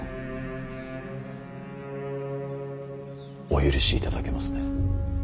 お許しいただけますね